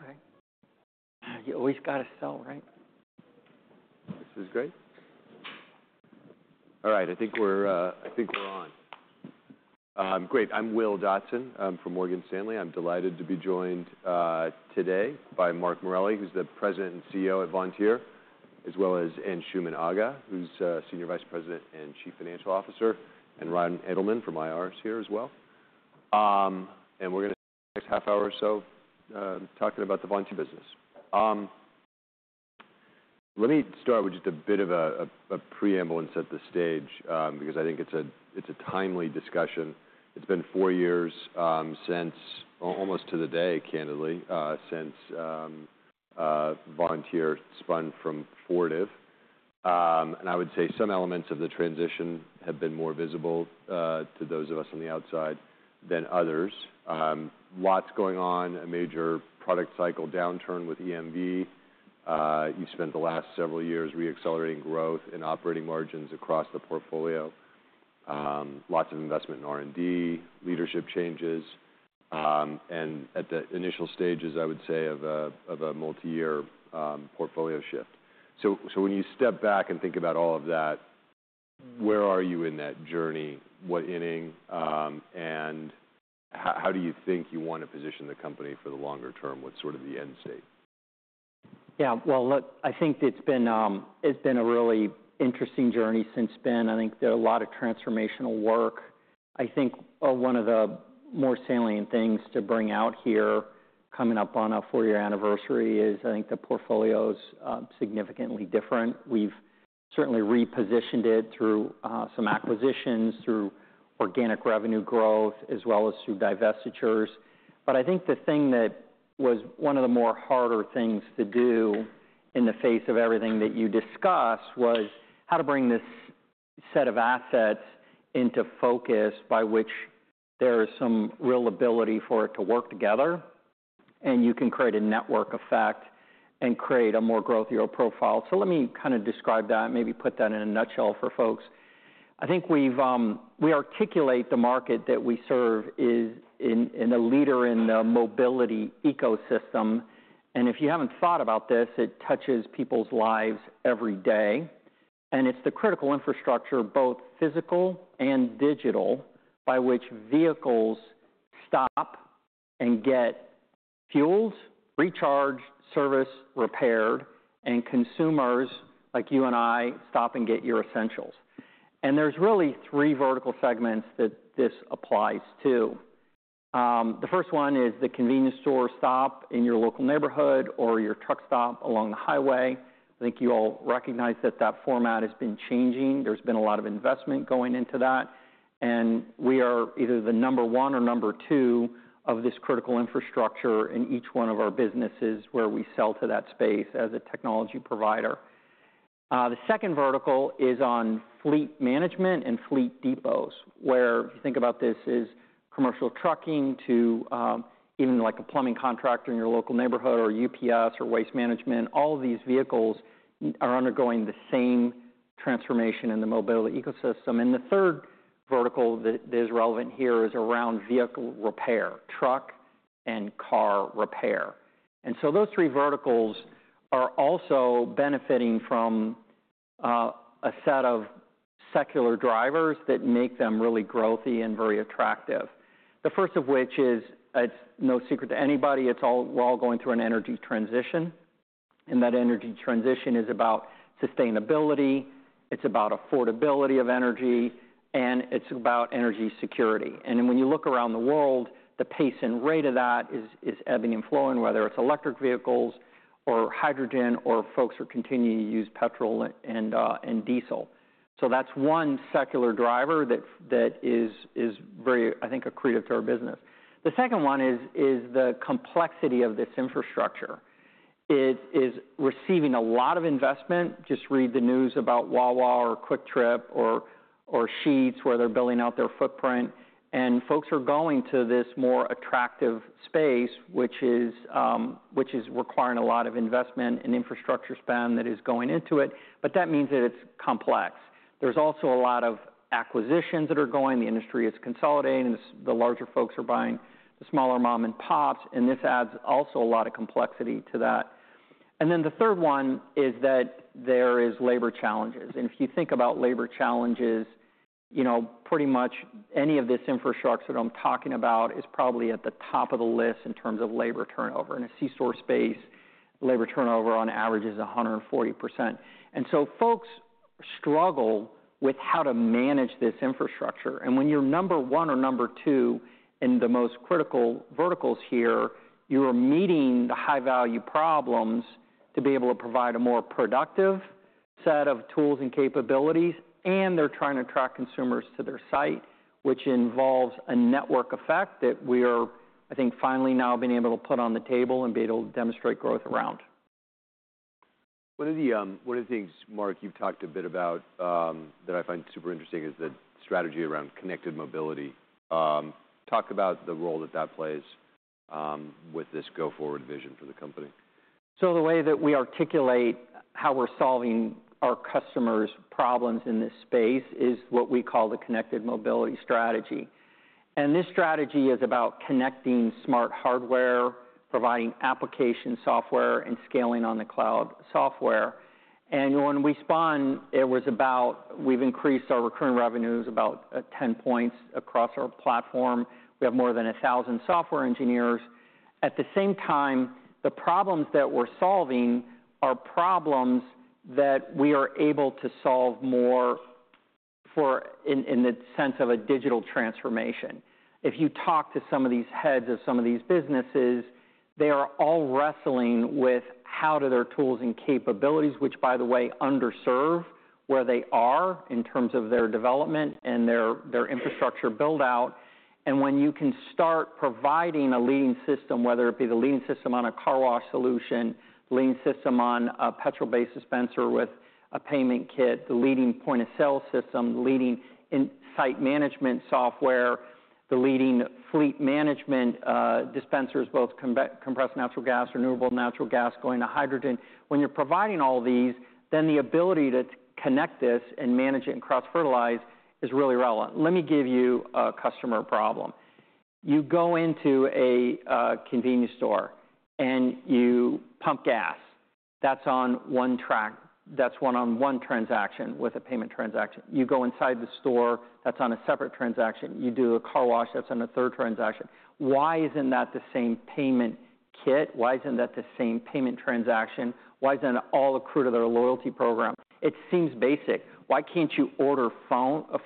Is that good for you? This is great. Okay. You always got to sell, right? This is great. All right, I think we're on. Great. I'm Will Dodson. I'm from Morgan Stanley. I'm delighted to be joined today by Mark Morelli, who's the President and CEO at Vontier, as well as Anshuman Aga, who's Senior Vice President and Chief Financial Officer, and Ron Edelman from IR here as well. We're gonna spend the next half hour or so talking about the Vontier business. Let me start with just a bit of a preamble at this stage, because I think it's a timely discussion. It's been four years since, almost to the day, candidly, since Vontier spun from Fortive. And I would say some elements of the transition have been more visible to those of us on the outside than others. Lots going on. A major product cycle downturn with EMV. You spent the last several years re-accelerating growth and operating margins across the portfolio. Lots of investment in R&D, leadership changes, and at the initial stages, I would say of a multi-year portfolio shift. So when you step back and think about all of that, where are you in that journey? What inning? And how do you think you want to position the company for the longer term? What's sort of the end state? Yeah, well, look, I think it's been, it's been a really interesting journey since then. I think there are a lot of transformational work. I think, one of the more salient things to bring out here, coming up on a four-year anniversary, is I think the portfolio's, significantly different. We've certainly repositioned it through, some acquisitions, through organic revenue growth, as well as through divestitures. But I think the thing that was one of the more harder things to do in the face of everything that you discussed, was how to bring this set of assets into focus by which there is some real ability for it to work together, and you can create a network effect and create a more growthier profile. So let me kind of describe that, maybe put that in a nutshell for folks. I think we articulate the market that we serve is a leader in the mobility ecosystem, and if you haven't thought about this, it touches people's lives every day, and it's the critical infrastructure, both physical and digital, by which vehicles stop and get fueled, recharged, serviced, repaired, and consumers like you and I stop and get your essentials, and there's really three vertical segments that this applies to. The first one is the convenience store stop in your local neighborhood or your truck stop along the highway. I think you all recognize that that format has been changing. There's been a lot of investment going into that, and we are either the number one or number two of this critical infrastructure in each one of our businesses where we sell to that space as a technology provider. The second vertical is on fleet management and fleet depots, where if you think about this is commercial trucking to even, like, a plumbing contractor in your local neighborhood, or UPS, or Waste Management. All of these vehicles are undergoing the same transformation in the mobility ecosystem, and the third vertical that is relevant here is around vehicle repair, truck and car repair. And so those three verticals are also benefiting from a set of secular drivers that make them really growthy and very attractive. The first of which is, it's no secret to anybody, it's all, we're all going through an energy transition, and that energy transition is about sustainability, it's about affordability of energy, and it's about energy security. And then when you look around the world, the pace and rate of that is ebbing and flowing, whether it's electric vehicles or hydrogen, or folks are continuing to use petrol and diesel. So that's one secular driver that is very, I think, accretive to our business. The second one is the complexity of this infrastructure. It is receiving a lot of investment. Just read the news about Wawa or Kwik Trip or Sheetz, where they're building out their footprint, and folks are going to this more attractive space, which is requiring a lot of investment and infrastructure spend that is going into it, but that means that it's complex. There's also a lot of acquisitions that are going. The industry is consolidating. The larger folks are buying the smaller mom and pops, and this adds also a lot of complexity to that. Then the third one is that there is labor challenges. If you think about labor challenges, you know, pretty much any of this infrastructure that I'm talking about is probably at the top of the list in terms of labor turnover. In a C-store space, labor turnover on average is 140%. So folks struggle with how to manage this infrastructure. And when you're number one or number two in the most critical verticals here, you are meeting the high-value problems to be able to provide a more productive set of tools and capabilities, and they're trying to attract consumers to their site, which involves a network effect that we are, I think, finally now being able to put on the table and be able to demonstrate growth around. One of the things, Mark, you've talked a bit about that I find super interesting is the strategy around connected mobility. Talk about the role that that plays with this go-forward vision for the company.... So the way that we articulate how we're solving our customers' problems in this space is what we call the connected mobility strategy. And this strategy is about connecting smart hardware, providing application software, and scaling on the cloud software. And when we spun, it was about we've increased our recurring revenues about 10 points across our platform. We have more than 1,000 software engineers. At the same time, the problems that we're solving are problems that we are able to solve more in the sense of a digital transformation. If you talk to some of these heads of some of these businesses, they are all wrestling with how do their tools and capabilities, which by the way, underserve where they are in terms of their development and their infrastructure build-out. And when you can start providing a leading system, whether it be the leading system on a car wash solution, leading system on a gasoline-based dispenser with a payment kit, the leading point-of-sale system, the leading site management software, the leading fleet management dispensers, both compressed natural gas, renewable natural gas, going to hydrogen. When you're providing all these, then the ability to connect this and manage it and cross-fertilize is really relevant. Let me give you a customer problem. You go into a convenience store and you pump gas. That's on one track. That's one-on-one transaction with a payment transaction. You go inside the store, that's on a separate transaction. You do a car wash, that's on a third transaction. Why isn't that the same payment kit? Why isn't that the same payment transaction? Why isn't all accrued to their loyalty program? It seems basic. Why can't you order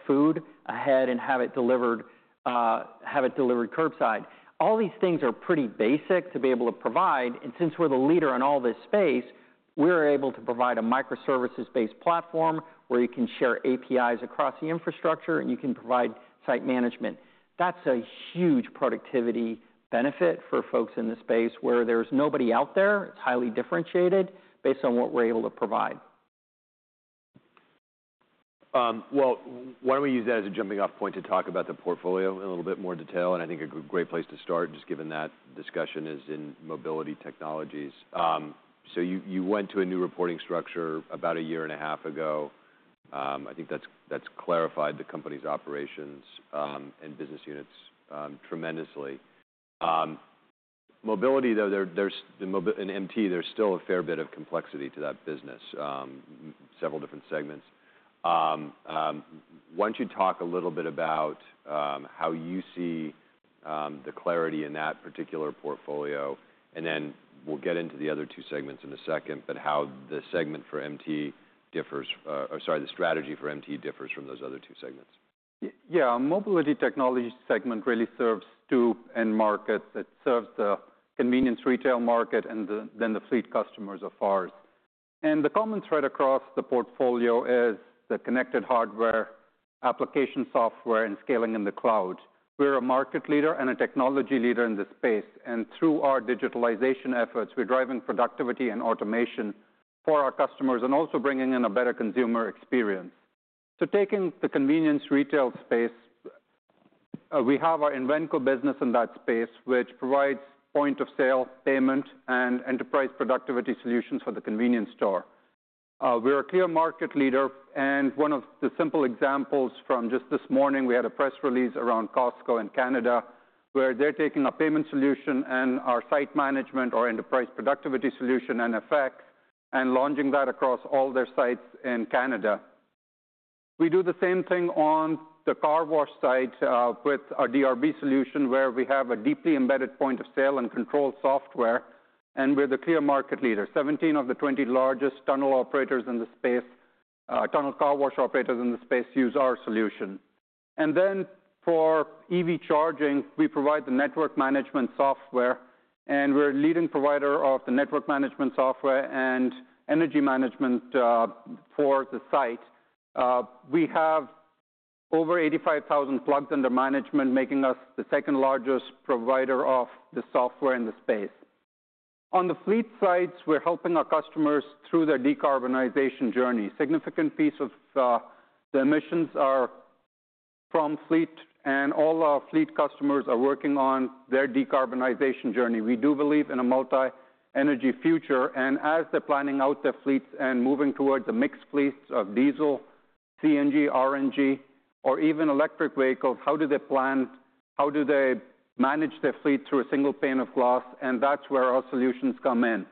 food ahead and have it delivered curbside? All these things are pretty basic to be able to provide, and since we're the leader in all this space, we're able to provide a microservices-based platform where you can share APIs across the infrastructure, and you can provide site management. That's a huge productivity benefit for folks in this space where there's nobody out there. It's highly differentiated based on what we're able to provide. Well, why don't we use that as a jumping-off point to talk about the portfolio in a little bit more detail, and I think a great place to start, just given that discussion, is in Mobility Technologies. So you went to a new reporting structure about a year and a half ago. I think that's clarified the company's operations and business units tremendously. Mobility, though, in MT, there's still a fair bit of complexity to that business, several different segments. Why don't you talk a little bit about how you see the clarity in that particular portfolio? And then we'll get into the other two segments in a second, but how the segment for MT differs, or sorry, the strategy for MT differs from those other two segments. Yeah, Mobility Technology segment really serves two end markets. It serves the convenience retail market and then the fleet customers of ours. And the common thread across the portfolio is the connected hardware, application software, and scaling in the cloud. We're a market leader and a technology leader in this space, and through our digitalization efforts, we're driving productivity and automation for our customers and also bringing in a better consumer experience. So taking the convenience retail space, we have our Invenco business in that space, which provides point-of-sale, payment, and enterprise productivity solutions for the convenience store. We're a clear market leader, and one of the simple examples from just this morning, we had a press release around Costco in Canada, where they're taking a payment solution and our site management or enterprise productivity solution in effect, and launching that across all their sites in Canada. We do the same thing on the car wash site with our DRB solution, where we have a deeply embedded point-of-sale and control software, and we're the clear market leader. 17 of the 20 largest tunnel operators in the space, tunnel car wash operators in the space, use our solution. And then for EV charging, we provide the network management software, and we're a leading provider of the network management software and energy management for the site. We have over 85,000 plugs under management, making us the second-largest provider of the software in the space. On the fleet sites, we're helping our customers through their decarbonization journey. Significant piece of the emissions are from fleet, and all our fleet customers are working on their decarbonization journey. We do believe in a multi-energy future, and as they're planning out their fleets and moving towards the mixed fleets of diesel, CNG, RNG, or even electric vehicles, how do they plan? How do they manage their fleet through a single pane of glass? And that's where our solutions come in.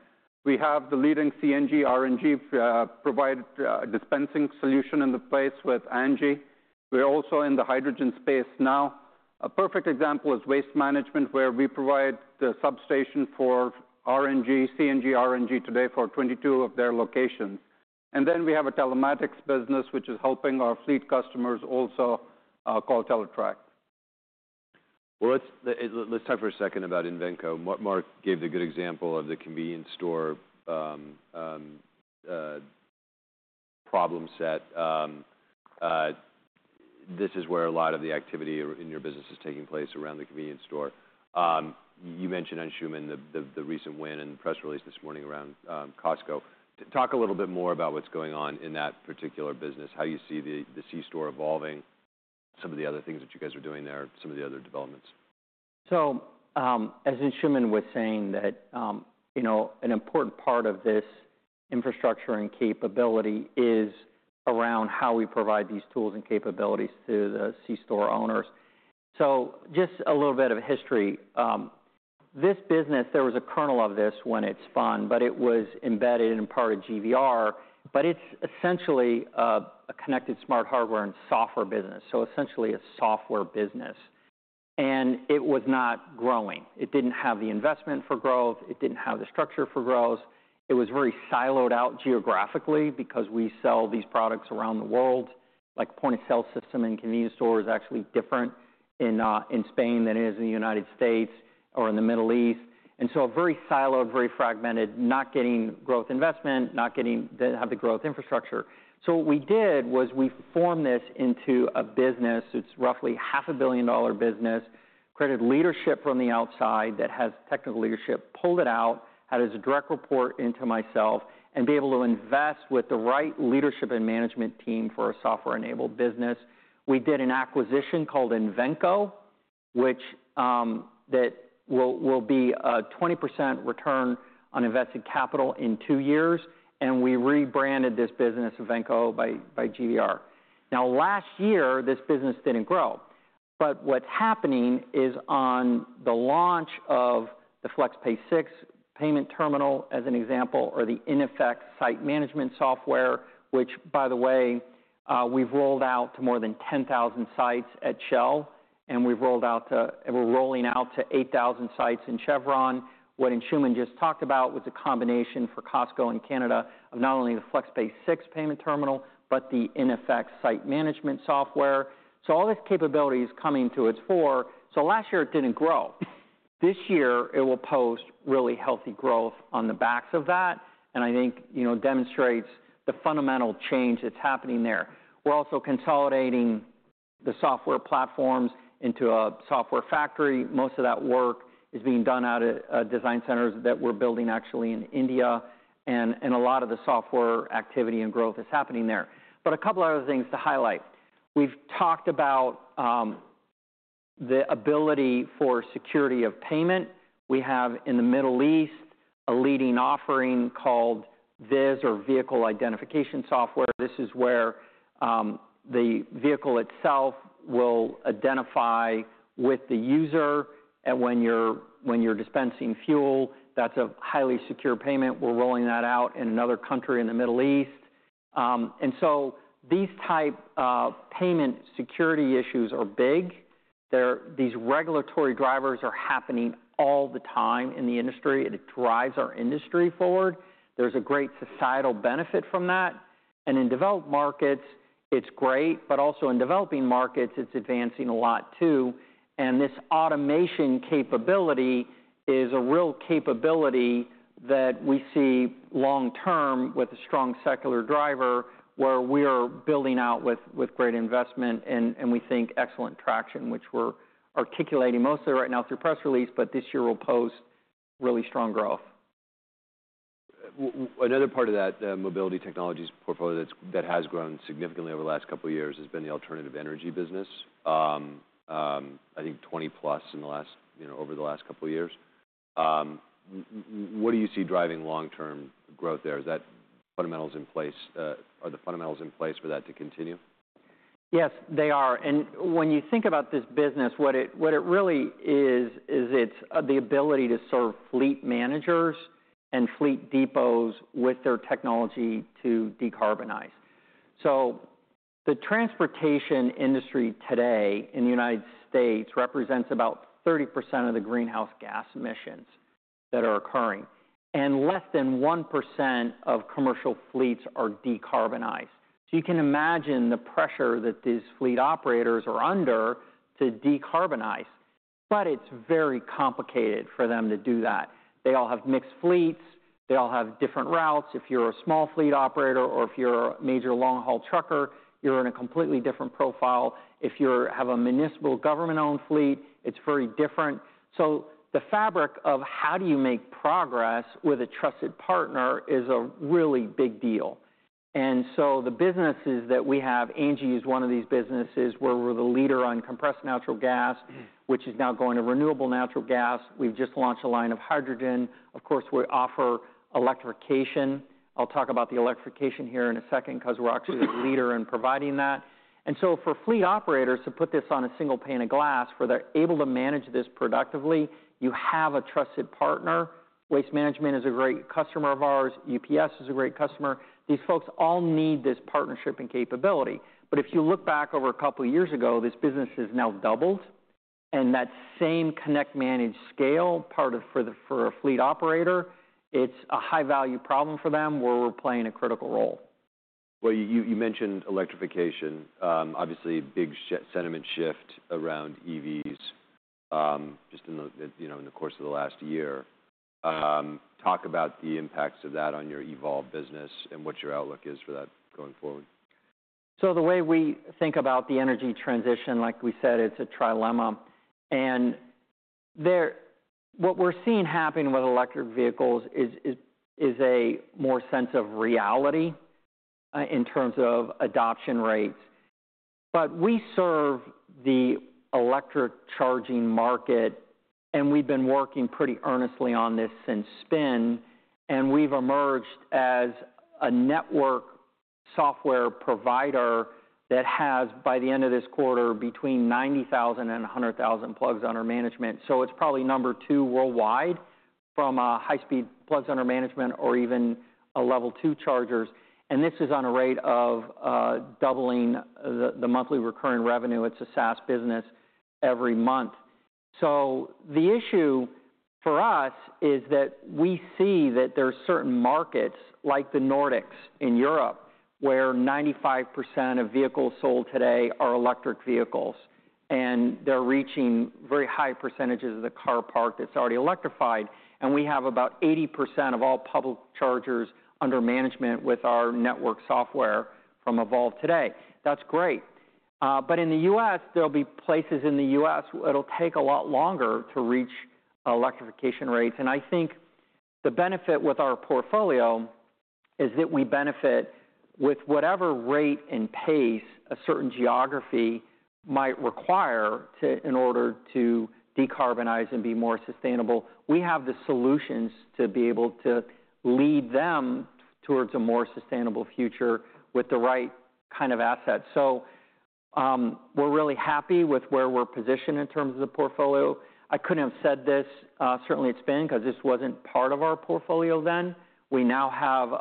We have the leading CNG, RNG provider dispensing solution in the space with ANGI. We're also in the hydrogen space now. A perfect example is Waste Management, where we provide the station for RNG, CNG today for 22 of their locations. And then we have a telematics business, which is helping our fleet customers, also called Teletrac. Let's talk for a second about Invenco. Mark gave the good example of the convenience store problem set. This is where a lot of the activity in your business is taking place around the convenience store. You mentioned, Anshuman, the recent win and press release this morning around Costco. Talk a little bit more about what's going on in that particular business, how you see the C-store evolving? Some of the other things that you guys are doing there, some of the other developments. So, as Anshuman was saying, that, you know, an important part of this infrastructure and capability is around how we provide these tools and capabilities to the C-store owners. So just a little bit of history. This business, there was a kernel of this when it spawned, but it was embedded in part of GVR, but it's essentially, a connected smart hardware and software business, so essentially a software business. And it was not growing. It didn't have the investment for growth. It didn't have the structure for growth. It was very siloed out geographically because we sell these products around the world. Like, point-of-sale system in convenience store is actually different in Spain than it is in the United States or in the Middle East. And so a very siloed, very fragmented, not getting growth investment, not getting, didn't have the growth infrastructure. So what we did was we formed this into a business. It's roughly a $500 million business, created leadership from the outside that has technical leadership, pulled it out, had as a direct report into myself, and be able to invest with the right leadership and management team for a software-enabled business. We did an acquisition called Invenco, which that will be a 20% return on invested capital in two years, and we rebranded this business, Invenco, by GVR. Now, last year, this business didn't grow, but what's happening is on the launch of the FlexPay 6 payment terminal, as an example, or the iNFX site management software, which, by the way, we've rolled out to more than 10,000 sites at Shell, and we've rolled out to and we're rolling out to 8,000 sites in Chevron. What Anshuman just talked about with the combination for Costco and Canada of not only the FlexPay 6 payment terminal, but the iNFX site management software. So all this capability is coming to its fore. Last year, it didn't grow. This year, it will post really healthy growth on the backs of that, and I think, you know, demonstrates the fundamental change that's happening there. We're also consolidating the software platforms into a software factory. Most of that work is being done out at design centers that we're building, actually, in India, and a lot of the software activity and growth is happening there. But a couple other things to highlight. We've talked about the ability for security of payment. We have, in the Middle East, a leading offering called VIS, or Vehicle Identification System. This is where the vehicle itself will identify with the user, and when you're dispensing fuel, that's a highly secure payment. We're rolling that out in another country in the Middle East. And so these type of payment security issues are big. These regulatory drivers are happening all the time in the industry. It drives our industry forward. There's a great societal benefit from that. And in developed markets, it's great, but also in developing markets, it's advancing a lot, too. And this automation capability is a real capability that we see long term with a strong secular driver, where we are building out with great investment and we think excellent traction, which we're articulating mostly right now through press release, but this year will pose really strong growth. Another part of that, the Mobility Technologies portfolio that has grown significantly over the last couple of years has been the alternative energy business. I think twenty-plus in the last, you know, over the last couple of years. What do you see driving long-term growth there? Is that fundamentals in place? Are the fundamentals in place for that to continue? Yes, they are. And when you think about this business, what it really is, is it's the ability to serve fleet managers and fleet depots with their technology to decarbonize. So the transportation industry today in the United States represents about 30% of the greenhouse gas emissions that are occurring, and less than 1% of commercial fleets are decarbonized. So you can imagine the pressure that these fleet operators are under to decarbonize, but it's very complicated for them to do that. They all have mixed fleets. They all have different routes. If you're a small fleet operator or if you're a major long-haul trucker, you're in a completely different profile. If you have a municipal government-owned fleet, it's very different. So the fabric of how do you make progress with a trusted partner is a really big deal. And so the businesses that we have, Angi is one of these businesses, where we're the leader on compressed natural gas, which is now going to renewable natural gas. We've just launched a line of hydrogen. Of course, we offer electrification. I'll talk about the electrification here in a second 'cause we're actually the leader in providing that. And so for fleet operators to put this on a single pane of glass, where they're able to manage this productively, you have a trusted partner. Waste Management is a great customer of ours. UPS is a great customer. These folks all need this partnership and capability. But if you look back over a couple of years ago, this business has now doubled, and that same connect, manage, scale part of, for a fleet operator, it's a high-value problem for them, where we're playing a critical role. You mentioned electrification. Obviously, a big sentiment shift around EVs just in the, you know, in the course of the last year. Talk about the impacts of that on your EVolve business and what your outlook is for that going forward. So the way we think about the energy transition, like we said, it's a trilemma. What we're seeing happening with electric vehicles is a more sense of reality in terms of adoption rates. But we serve the electric charging market, and we've been working pretty earnestly on this since spin, and we've emerged as a network software provider that has, by the end of this quarter, between ninety thousand and a hundred thousand plugs under management. So it's probably number two worldwide from a high-speed plugs under management or even a level two chargers, and this is on a rate of doubling the monthly recurring revenue. It's a SaaS business every month. The issue for us is that we see that there are certain markets, like the Nordics in Europe, where 95% of vehicles sold today are electric vehicles, and they're reaching very high percentages of the car park that's already electrified. We have about 80% of all public chargers under management with our network software from EVolve today. That's great, but in the U.S., there'll be places in the U.S., it'll take a lot longer to reach electrification rates, and I think the benefit with our portfolio is that we benefit with whatever rate and pace a certain geography might require to in order to decarbonize and be more sustainable. We have the solutions to be able to lead them towards a more sustainable future with the right kind of assets, so we're really happy with where we're positioned in terms of the portfolio. I couldn't have said this certainly at spin, 'cause this wasn't part of our portfolio then. We now have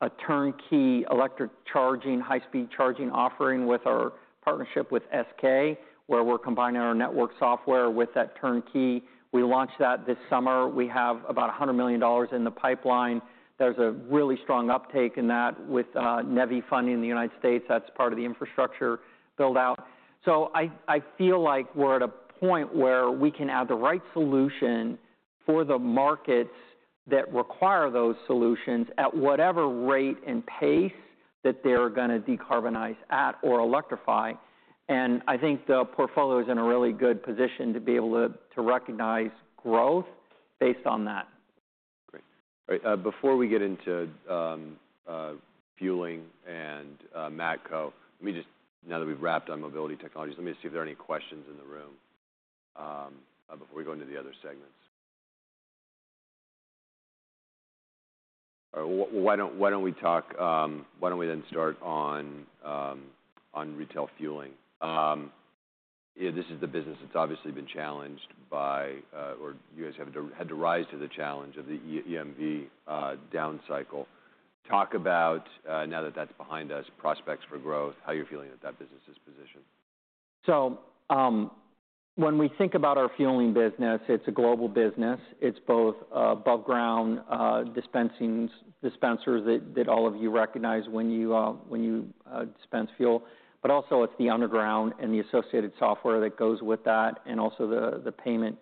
a turnkey electric charging, high-speed charging offering with our partnership with SK, where we're combining our network software with that turnkey. We launched that this summer. We have about $100 million in the pipeline. There's a really strong uptake in that with NEVI funding in the United States. That's part of the infrastructure build-out. So I feel like we're at a point where we can have the right solution for the markets that require those solutions at whatever rate and pace that they're gonna decarbonize at or electrify, and I think the portfolio is in a really good position to be able to recognize growth based on that. Great. Before we get into fueling and Matco, let me just... Now that we've wrapped on Mobility Technologies, let me see if there are any questions in the room before we go into the other segments. Why don't we then start on retail fueling? This is the business that's obviously been challenged by or you guys have had to rise to the challenge of the EMV down cycle. Talk about now that that's behind us, prospects for growth, how you're feeling that that business is positioned. When we think about our fueling business, it's a global business. It's both above ground dispensers that all of you recognize when you dispense fuel, but also it's the underground and the associated software that goes with that, and also the payment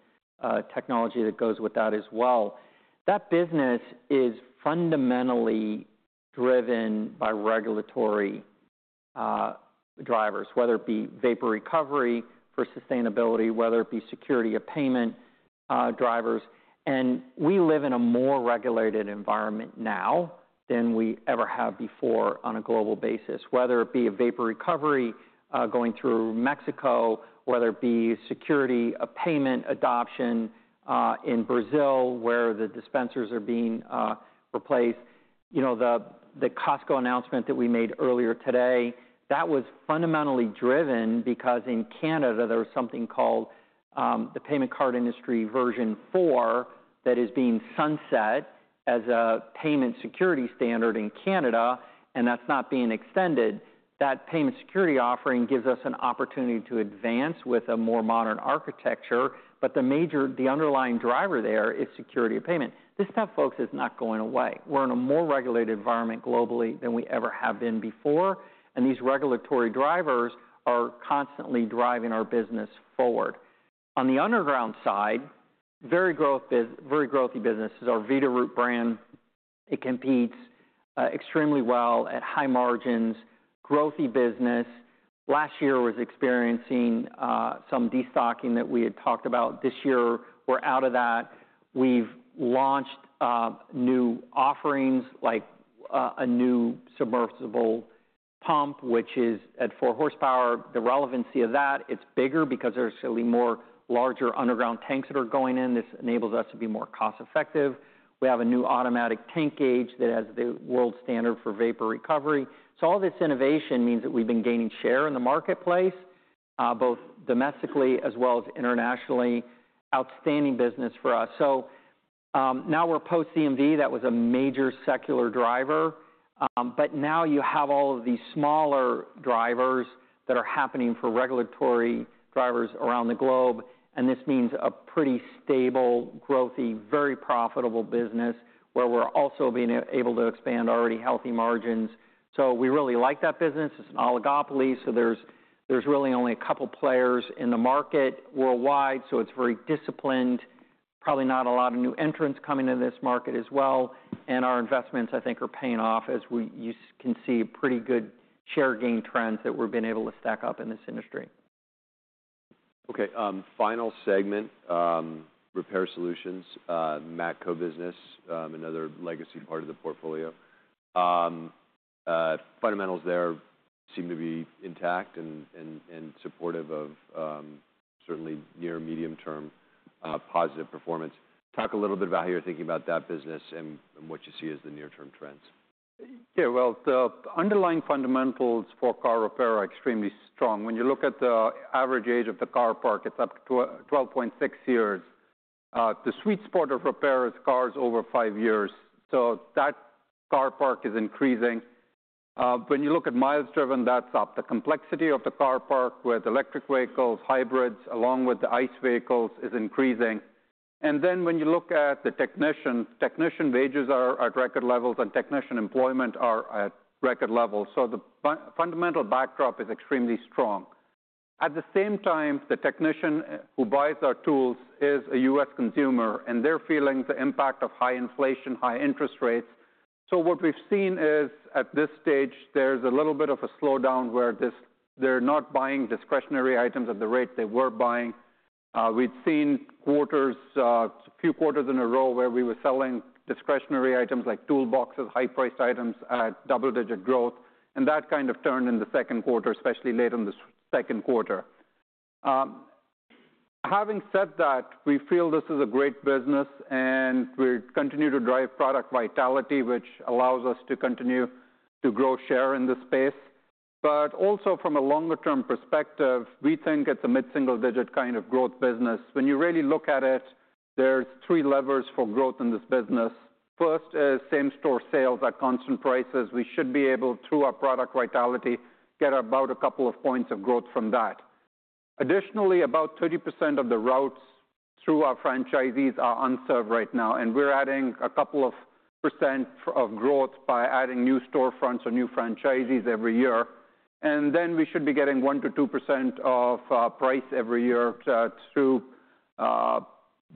technology that goes with that as well. That business is fundamentally driven by regulatory drivers, whether it be vapor recovery for sustainability, whether it be security of payment drivers. We live in a more regulated environment now than we ever have before on a global basis, whether it be a vapor recovery going through Mexico, whether it be security of payment adoption in Brazil, where the dispensers are being replaced. You know, the Costco announcement that we made earlier today, that was fundamentally driven because in Canada, there was something called the Payment Card Industry version four, that is being sunset as a payment security standard in Canada, and that's not being extended. That payment security offering gives us an opportunity to advance with a more modern architecture, but the major, the underlying driver there is security of payment. This stuff, folks, is not going away. We're in a more regulated environment globally than we ever have been before, and these regulatory drivers are constantly driving our business forward. On the underground side, very growthy business is our Veeder-Root brand. It competes extremely well at high margins, growthy business. Last year, was experiencing some destocking that we had talked about. This year, we're out of that. We've launched new offerings, like a new submersible pump, which is at four horsepower. The relevancy of that, it's bigger because there's going to be more larger underground tanks that are going in. This enables us to be more cost-effective. We have a new automatic tank gauge that has the world standard for vapor recovery. So all this innovation means that we've been gaining share in the marketplace, both domestically as well as internationally. Outstanding business for us. So, now we're post EMV. That was a major secular driver. But now you have all of these smaller drivers that are happening for regulatory drivers around the globe, and this means a pretty stable, growthy, very profitable business, where we're also being able to expand already healthy margins. So we really like that business. It's an oligopoly, so there's really only a couple players in the market worldwide, so it's very disciplined... probably not a lot of new entrants coming into this market as well. And our investments, I think, are paying off as we-- you can see pretty good share gain trends that we've been able to stack up in this industry. Okay, final segment, Repair Solutions, Matco business, another legacy part of the portfolio. Fundamentals there seem to be intact and supportive of certainly near medium-term positive performance. Talk a little bit about how you're thinking about that business and what you see as the near-term trends. Yeah, well, the underlying fundamentals for car repair are extremely strong. When you look at the average age of the car park, it's up to 12.6 years. The sweet spot of repair is cars over five years, so that car park is increasing. When you look at miles driven, that's up. The complexity of the car park with electric vehicles, hybrids, along with the ICE vehicles, is increasing. And then when you look at the technicians, technician wages are at record levels, and technician employment are at record levels. So the fundamental backdrop is extremely strong. At the same time, the technician who buys our tools is a U.S. consumer, and they're feeling the impact of high inflation, high interest rates. So what we've seen is, at this stage, there's a little bit of a slowdown where this, they're not buying discretionary items at the rate they were buying. We've seen quarters, a few quarters in a row, where we were selling discretionary items like toolboxes, high-priced items at double-digit growth, and that kind of turned in the second quarter, especially late in the second quarter. Having said that, we feel this is a great business, and we continue to drive product vitality, which allows us to continue to grow share in this space. But also from a longer-term perspective, we think it's a mid-single-digit kind of growth business. When you really look at it, there's three levers for growth in this business. First is same-store sales at constant prices. We should be able, through our product vitality, to get about a couple of points of growth from that. Additionally, about 30% of the routes through our franchisees are unserved right now, and we're adding a couple of percent of growth by adding new storefronts or new franchisees every year, and then we should be getting 1-2% of price every year through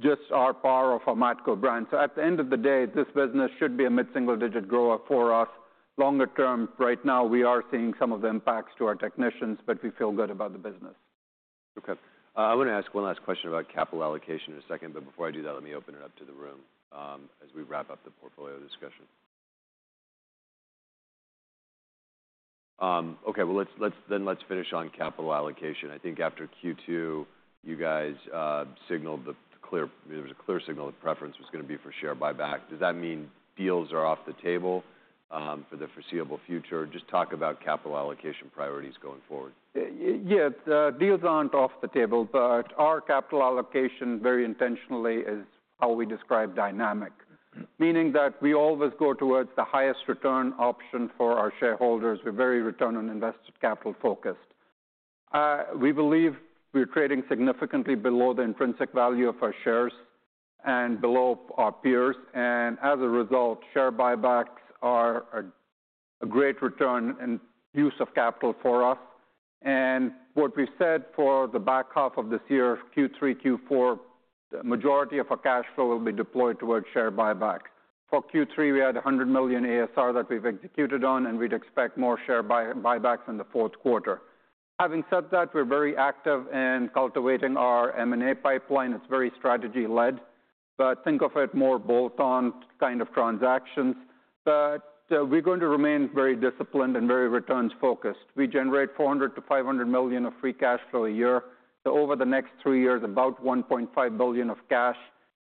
just our power of our Matco brand, so at the end of the day, this business should be a mid-single-digit grower for us. Longer term, right now, we are seeing some of the impacts to our technicians, but we feel good about the business. Okay, I want to ask one last question about capital allocation in a second, but before I do that, let me open it up to the room, as we wrap up the portfolio discussion. Okay, well, let's, then let's finish on capital allocation. I think after Q2, you guys, signaled the clear. There was a clear signal the preference was gonna be for share buyback. Does that mean deals are off the table, for the foreseeable future? Just talk about capital allocation priorities going forward. Yeah, the deals aren't off the table, but our capital allocation, very intentionally, is how we describe dynamic. Meaning that we always go towards the highest return option for our shareholders. We're very return on invested capital focused. We believe we're trading significantly below the intrinsic value of our shares and below our peers, and as a result, share buybacks are a great return and use of capital for us. And what we've said for the back half of this year, Q3, Q4, the majority of our cash flow will be deployed towards share buyback. For Q3, we had $100 million ASR that we've executed on, and we'd expect more share buybacks in the fourth quarter. Having said that, we're very active in cultivating our M&A pipeline. It's very strategy-led, but think of it more bolt-on kind of transactions. But, we're going to remain very disciplined and very returns-focused. We generate $400-$500 million of free cash flow a year. So over the next three years, about $1.5 billion of cash,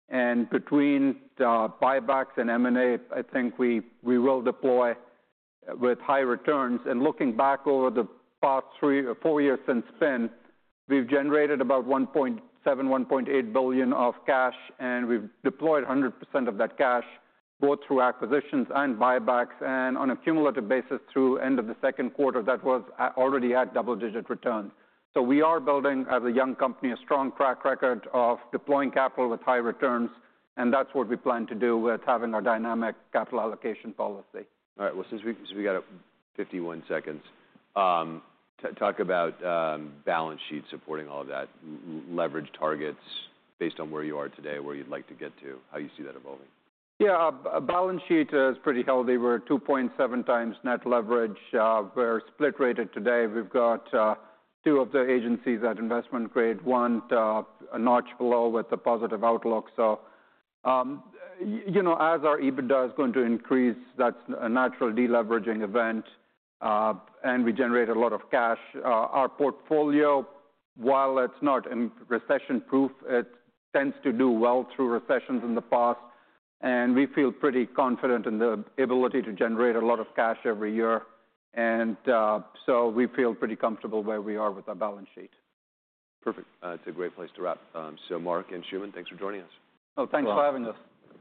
and between buybacks and M&A, I think we will deploy with high returns. And looking back over the past three, four years since then, we've generated about $1.7-$1.8 billion of cash, and we've deployed 100% of that cash, both through acquisitions and buybacks, and on a cumulative basis, through end of the second quarter, that was already at double-digit returns. So we are building, as a young company, a strong track record of deploying capital with high returns, and that's what we plan to do with having our dynamic capital allocation policy. All right, well, since we got 51 seconds, talk about balance sheet supporting all of that, leverage targets based on where you are today, where you'd like to get to, how you see that evolving. Yeah, our balance sheet is pretty healthy. We're at two point seven times net leverage. We're split-rated today. We've got two of the agencies at investment grade, one a notch below with a positive outlook. So, you know, as our EBITDA is going to increase, that's a natural deleveraging event, and we generate a lot of cash. Our portfolio, while it's not recession-proof, it tends to do well through recessions in the past, and we feel pretty confident in the ability to generate a lot of cash every year. So we feel pretty comfortable where we are with our balance sheet. Perfect. It's a great place to wrap, so Mark and Anshuman, thanks for joining us. Oh, thanks for having us.